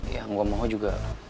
yang gue mau juga